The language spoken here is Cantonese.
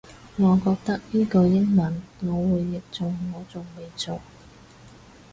我覺得呢句英文我會譯做我仲未做